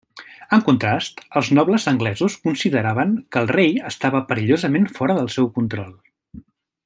En contrast, els nobles anglesos consideraven que el rei estava perillosament fora del seu control.